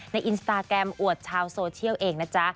อินสตาแกรมอวดชาวโซเชียลเองนะจ๊ะ